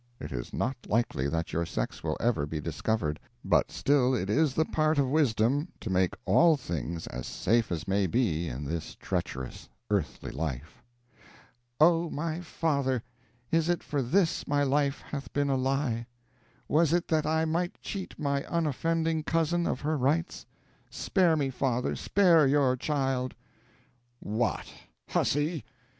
It is not likely that your sex will ever be discovered; but still it is the part of wisdom to make all things as safe as may be in this treacherous earthly life." "Oh; my father, is it for this my life hath been a lie! Was it that I might cheat my unoffending cousin of her rights? Spare me, father, spare your child!" "What, huzzy!